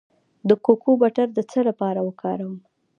د کوکو بټر د څه لپاره وکاروم؟